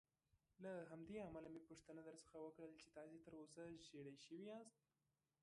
له همدې امله مې پوښتنه درڅخه وکړل چې تاسې تراوسه ژېړی شوي یاست.